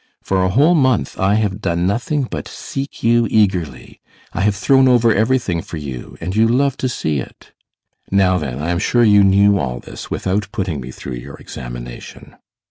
For a whole month I have done nothing but seek you eagerly. I have thrown over everything for you, and you love to see it. Now then, I am sure you knew all this without putting me through your examination.